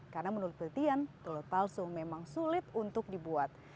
karena menurut pelitian telur palsu memang sulit untuk dibuat